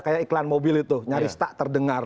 kayak iklan mobil itu nyaris tak terdengar